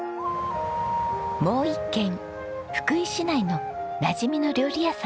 もう一軒福井市内のなじみの料理屋さんを訪ねます。